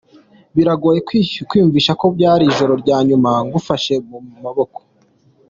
Biragoye kwiyumvisha ko byari ijoro rya nyuma ngufashe mu maboko.